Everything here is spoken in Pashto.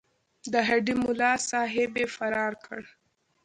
د هډې ملاصاحب یې فرار کړ.